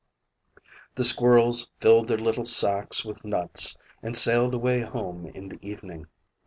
The squirrels filled their little sacks with nuts, and sailed away home in the evening.